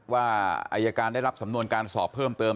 ว่าอายการได้รับสำนวนการสอบเพิ่มเติม